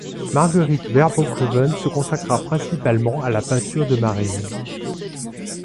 Marguerite Verboeckhoven se consacra principalement à la peinture de marines.